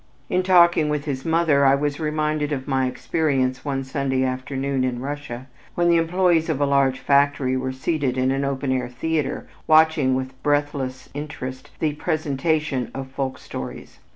In talking with his mother, I was reminded of my experience one Sunday afternoon in Russia when the employees of a large factory were seated in an open air theater, watching with breathless interest the presentation of folk stories.